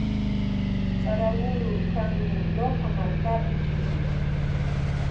Saraguro kanmi Loja markapa kiti.